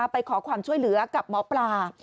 ไปขอความช่วยเหลือกับหมอปลา